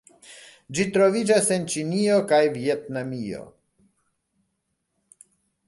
Ĝi troviĝas en Ĉinio kaj Vjetnamio.